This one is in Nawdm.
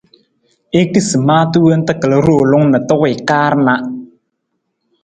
I kisi maata wonta kal roolung na ta wii kaar na.